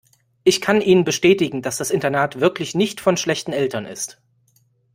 Ich kann Ihnen bestätigen, dass das Internat wirklich nicht von schlechten Eltern ist.